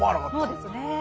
そうですね。